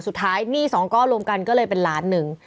สุดท้ายหนี้๒ก้อรวมกันก็เลยเป็นล้านหนึ่ง